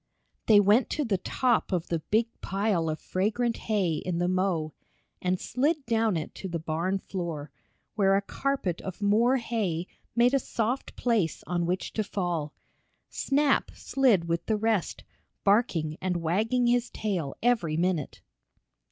They went to the top of the big pile of fragrant hay in the mow, and slid down it to the barn floor, where a carpet of more hay made a soft place on which to fall. Snap slid with the rest, barking and wagging his tail every minute.